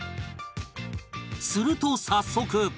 すると早速